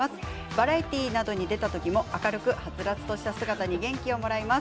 バラエティーなどに出た時も明るく、はつらつとした姿に元気をもらいます。